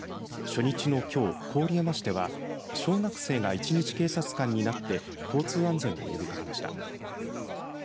初日のきょう、郡山市では小学生が一日警察官になって交通安全を呼びかけました。